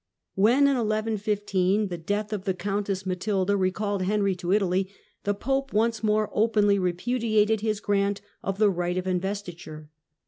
When in 1115 the death of the Countess Matilda recalled Henry to Italy, the Pope once more openly repudiated his grant of the right of investiture.